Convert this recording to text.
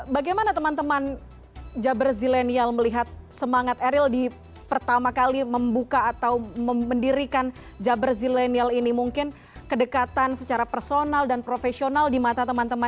bagaimana teman teman jabar zilenial melihat semangat eril di pertama kali membuka atau mendirikan jabar zilenial ini mungkin kedekatan secara personal dan profesional di mata teman teman